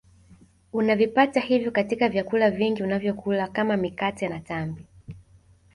Unavipata hivyo katika vyakula vingi unavyokula kama mikate na tambi